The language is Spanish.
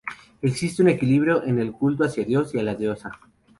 Existe un equilibrio en el culto hacia el Dios y la Diosa.